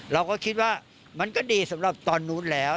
เราก็คิดว่ามันก็ดีสำหรับตอนนู้นแล้ว